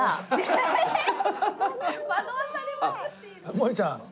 もえちゃん